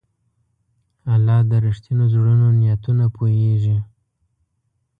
الله د رښتینو زړونو نیتونه پوهېږي.